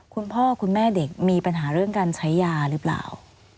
คุณพ่อคุณแม่เด็กมีปัญหาเรื่องการใช้ยาหรือเปล่า